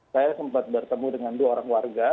saya sempat bertemu dengan dua orang warga